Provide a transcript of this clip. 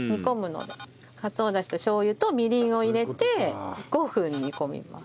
かつおダシとしょう油とみりんを入れて５分煮込みます。